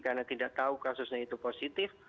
karena tidak tahu kasusnya itu positif